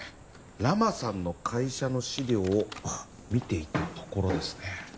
ラマさんの会社の資料を見ていたところですね